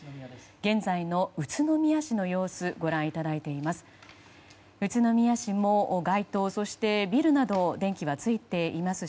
現在の宇都宮市の様子をご覧いただいています。